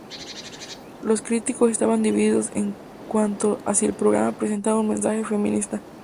Los críticos estaban divididos en cuanto a si el programa presentaba un mensaje feminista.